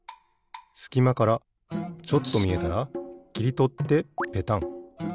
すきまからちょっとみえたらきりとってペタン。